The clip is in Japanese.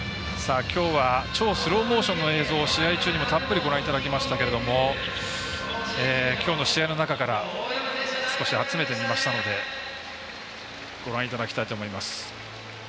きょうは超スローモーションの映像を試合中にもたっぷりご覧いただきましたけれどもきょうの試合の中から少し集めてみましたのでご覧いただきたいと思います。